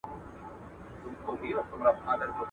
o پيل چي ژوندى وي يو لک دئ، چي مړ سي دوه لکه دئ.